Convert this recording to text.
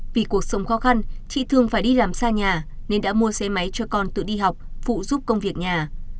vì cuộc sống khó khăn chị thương phải đi làm xa nhà nên đã mua xe máy cho con tự đi học phụ giúp công việc nhà